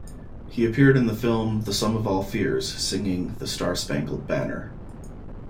He appeared in the film "The Sum of All Fears" singing "The Star-Spangled Banner".